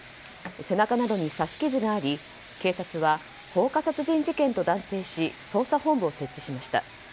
背中などに刺し傷があり警察は放火殺人事件と断定し捜査本部を設置しました。